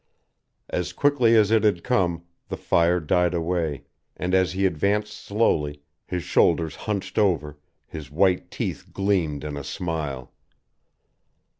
As quickly as it had come, the fire died away, and as he advanced slowly, his shoulders punched over, his white teeth gleamed in a smile.